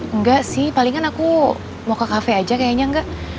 enggak sih palingan aku mau ke kafe aja kayaknya enggak